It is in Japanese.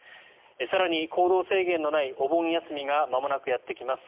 更に、行動制限のないお盆休みがまもなくやってきます。